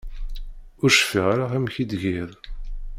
Ur cfiɣ ara amek i t-giɣ.